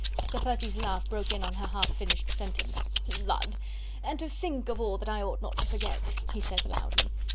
Sir Percy's laugh broke in on her half finished sentence. "Lud! and to think of all that I ought not to forget!" he said loudly.